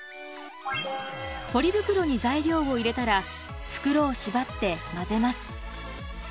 ポリ袋に材料を入れたら袋を縛って混ぜます。